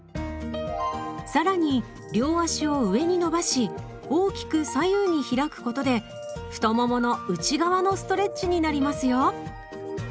更に両足を上に伸ばし大きく左右に開くことで太ももの内側のストレッチになりますよ。